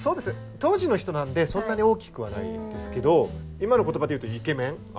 当時の人なんでそんなに大きくはないですけど今の言葉で言うとイケメン？